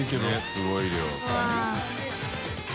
佑すごい量。